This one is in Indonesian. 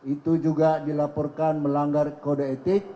itu juga dilaporkan melanggar kode etik